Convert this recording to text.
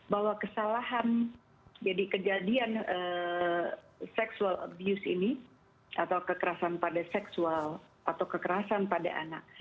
bahwa kesalahan jadi kejadian sexual abuse ini atau kekerasan pada seksual atau kekerasan pada anak